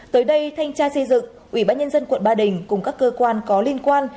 tới đây thanh tra xây dựng ủy ban nhân dân quận ba đình cùng các cơ quan có liên quan